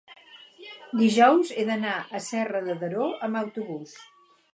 dijous he d'anar a Serra de Daró amb autobús.